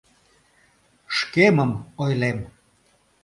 Шкемым ойлем.